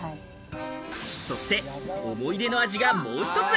そして思い出の味がもう一つ。